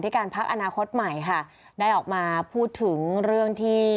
การพักอนาคตใหม่ค่ะได้ออกมาพูดถึงเรื่องที่